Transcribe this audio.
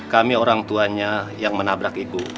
kami orang tuanya yang menabrak ibu